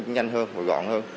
nhanh hơn gọn hơn